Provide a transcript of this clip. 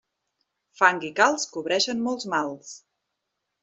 Fang i calç cobreixen molts mals.